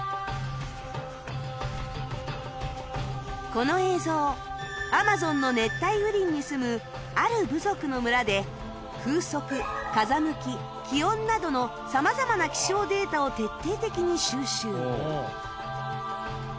この映像アマゾンの熱帯雨林に住むある部族の村で風速風向き気温などの様々な気象データを徹底的に収集